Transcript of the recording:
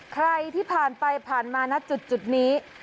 ใครที่ผ่านไปผ่านมาณจุดนี้